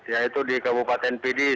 yaitu di kabupaten pd